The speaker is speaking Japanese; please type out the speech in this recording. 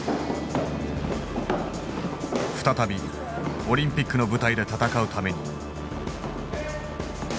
再びオリンピックの舞台で戦うために。